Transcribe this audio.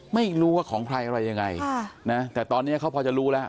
ไม่รู้ว่าของใครอะไรยังไงแต่ตอนนี้เขาพอจะรู้แล้ว